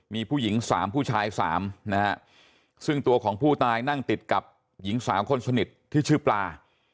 มีผู้หญิง๓ผู้ชาย๓นะฮะซึ่งตัวของผู้ตายนั่งติดกับหญิงสาวคนสนิทที่ชื่อปลา